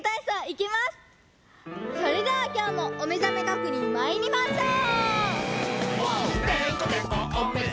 それではきょうもおめざめ確認まいりましょう！